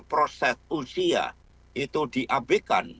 proses usia itu diabekan